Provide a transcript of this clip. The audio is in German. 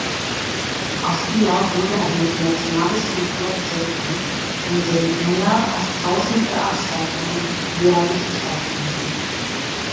Aus ihr wurde ein internationales Kulturzentrum, in dem mehr als tausend Veranstaltungen jährlich stattfinden.